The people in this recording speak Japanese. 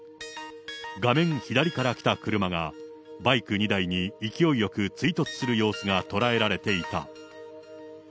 画面左から来た車が、バイク２台に勢いよく追突する様子が捉えられていた。